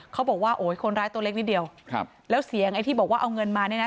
เขาบอกว่าโอ้ยคนร้ายตัวเล็กนิดเดียวครับแล้วเสียงไอ้ที่บอกว่าเอาเงินมาเนี่ยนะ